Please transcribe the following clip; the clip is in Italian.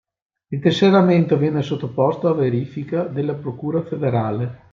Il tesseramento viene sottoposto a verifica della procura federale.